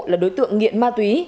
là đối tượng nghiện ma túy